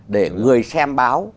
để người xem báo